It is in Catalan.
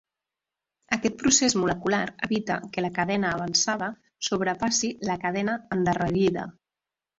Aquest procés molecular evita que la cadena avançada sobrepassi la cadena endarrerida.